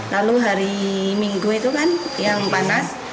lalu hari minggu itu kan yang panas